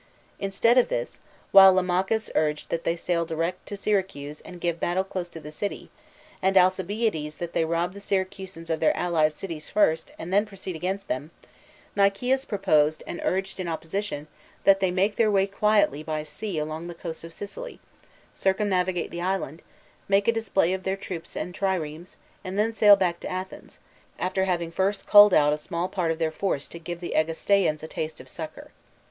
Instead of this, while Lamachus urged that they sail direct to Syracuse and give battle close to the city, and Alcibiades that they rob the Syracusans of their allied cities first and then proceed against them, Nicias proposed aud urged in opposition that they make their way quietly by sea along the coasts of Sicily, circumnavigate the island, make a display of their troops and triremes, and then sail back to Athens, after having first culled out a small part of their force to give the Egestaeans a taste of succor.